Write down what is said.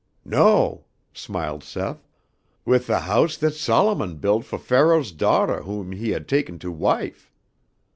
"No," smiled Seth, "with the house that Solomon built fo' Pharaoh's daughter whom he had taken to wife."